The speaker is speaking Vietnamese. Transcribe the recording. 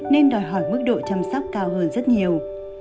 nên đòi hỏi mức độ chăm sóc cao hơn rất nhiều